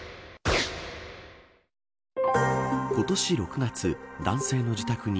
今年６月、男性の自宅に